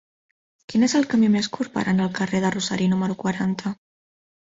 Quin és el camí més curt per anar al carrer del Rosari número quaranta?